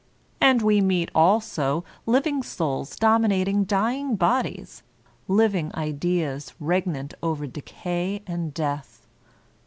And we meet, also, living souls dominating dying bodies — living ideas regnant over decay and death.